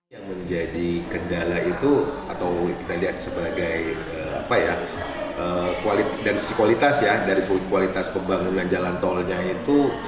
yang menjadi kendala itu atau kita lihat sebagai kualitas pembangunan jalan tolnya itu